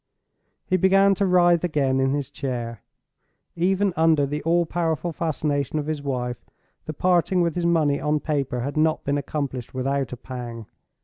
He began to writhe again in his chair. Even under the all powerful fascination of his wife the parting with his money on paper had not been accomplished without a pang.